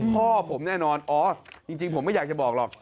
พ่อผมแน่นอนอ๋อจริงผมไม่อยากจะบอกหรอก